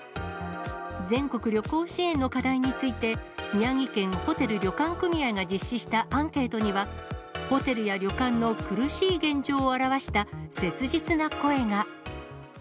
全国旅行支援の課題について、宮城県ホテル旅館組合が実施したアンケートには、ホテルや旅館の苦しい現状を表した切実な声が。